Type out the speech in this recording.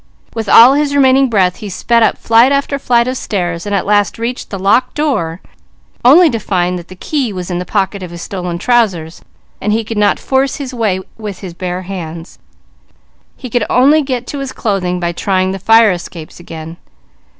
With all his remaining breath he sped up flight after flight of stairs and at last reached the locked door, only to find that the key was in the pocket of his stolen trousers, and he could not force his way with his bare hands. He could only get to his clothing by trying the fire escapes again.